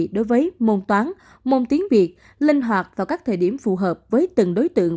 đối với môn toán môn tiếng việt linh hoạt vào các thời điểm phù hợp với từng đối tượng